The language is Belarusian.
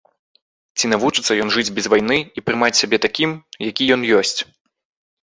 Ці навучыцца ён жыць без вайны і прымаць сябе такім, які ён ёсць?